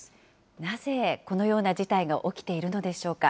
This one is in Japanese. なぜこのような事態が起きているのでしょうか。